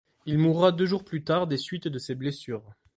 Il mourra deux jours plus tard des suites de ses blessures.